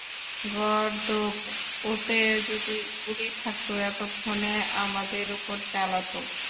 গর্দভ, ওতে যদি গুলি থাকতো, এতক্ষণে আমাদের উপর চালাতো।